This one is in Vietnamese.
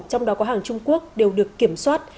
trong đó có hàng trung quốc đều được kiểm soát